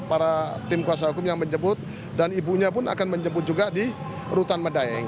para tim kuasa hukum yang menjemput dan ibunya pun akan menjemput juga di rutan medaeng